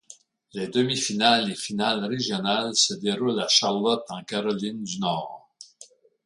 Les demi-finale et finale régionale se déroulent à Charlotte en Caroline du Nord.